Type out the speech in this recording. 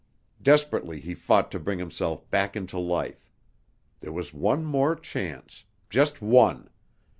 Desperately he fought to bring himself back into life. There was one more chance just one!